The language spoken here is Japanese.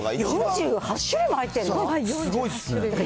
４８種類も入ってるの？